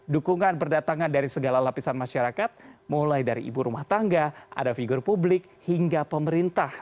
dukungan berdatangan dari segala lapisan masyarakat mulai dari ibu rumah tangga ada figur publik hingga pemerintah